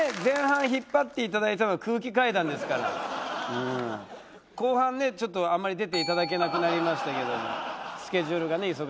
前半引っ張っていただいたのは空気階段ですからうん後半ねちょっとあんまり出ていただけなくなりましたけどもスケジュールがね